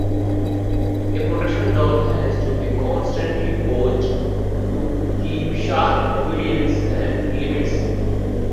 A protection dog has to be constantly coached to keep sharp obedience and limits.